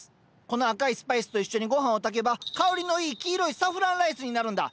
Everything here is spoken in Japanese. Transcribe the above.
この赤いスパイスと一緒にごはんを炊けば香りのいい黄色いサフランライスになるんだ。